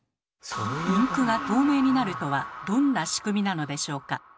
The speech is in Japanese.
インクが透明になるとはどんな仕組みなのでしょうか。